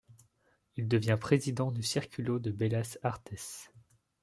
Il devient président du Círculo de Bellas Artes.